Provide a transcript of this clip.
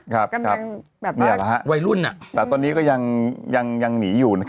ใกล้ไม่ราคาวัยรุ่น